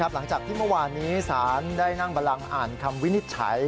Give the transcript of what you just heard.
หลังจากที่เมื่อวานนี้ศาลได้นั่งบันลังอ่านคำวินิจฉัย